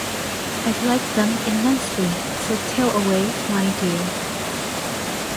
I like them immensely, so tell away, my dear.